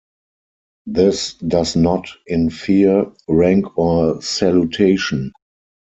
This does not infer rank or salutation.